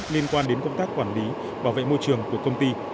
liên quan đến công tác quản lý bảo vệ môi trường của công ty